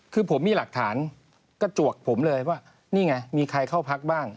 คือผมมีหลักฐานกระจวกผมเลยว่านี่ไงมีใครเข้าพักบ้าง